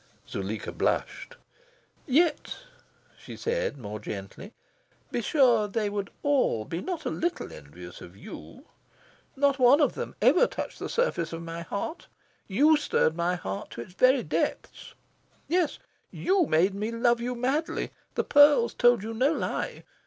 Zuleika blushed. "Yet," she said more gently, "be sure they would all be not a little envious of YOU! Not one of them ever touched the surface of my heart. You stirred my heart to its very depths. Yes, you made me love you madly. The pearls told you no lie.